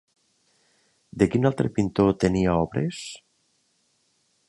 De quin altre pintor tenia obres?